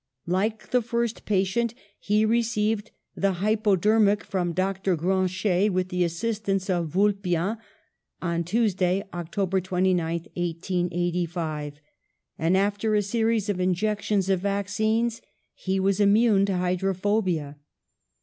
Like the first patient, he re ceived the hypodermic from Dr. Grancher, with the assistance of Vulpian, on Tuesday, October 29th, 1885; and, after a series of injections of vaccines, he was immune to hydrophobia.